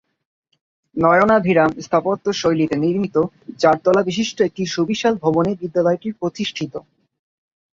নয়নাভিরাম স্থাপত্য শৈলীতে নির্মিত চারতলা বিশিষ্ট একটি সুবিশাল ভবনে বিদ্যালয়টি প্রতিষ্ঠিত।